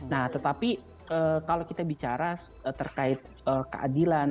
nah tetapi kalau kita bicara terkait keadilan